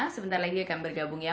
sebentar lagi akan bergabung ya